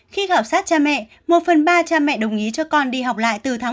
khi khảo sát cha mẹ một phần ba cha mẹ đồng ý cho con đi học lại từ tháng một mươi